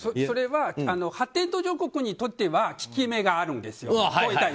それは発展途上国にとっては効き目があるんですよ。